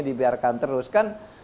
dibiarkan terus kan